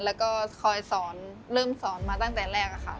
แล้วก็คอยสอนเริ่มสอนมาตั้งแต่แรกค่ะ